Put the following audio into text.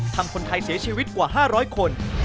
คนไทยเสียชีวิตกว่า๕๐๐คน